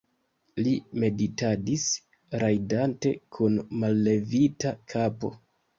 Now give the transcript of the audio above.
li meditadis, rajdante kun mallevita kapo.